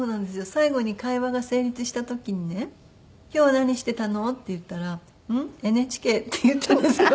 最後に会話が成立した時にね「今日は何してたの？」って言ったら「うん？ＮＨＫ」って言ったんですよ。